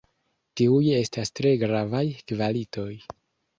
Tiuj estas tre gravaj kvalitoj.